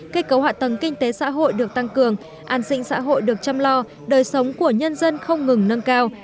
kết cấu hạ tầng kinh tế xã hội được tăng cường an sinh xã hội được chăm lo đời sống của nhân dân không ngừng nâng cao